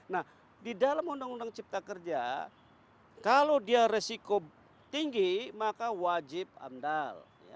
nah di dalam undang undang cipta kerja kalau dia resiko tinggi maka wajib amdal